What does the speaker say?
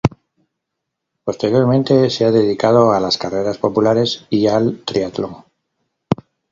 Posteriormente se ha dedicado a las carreras populares y al triatlón.